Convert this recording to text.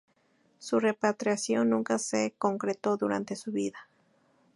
Su repatriación nunca se concretó durante su vida.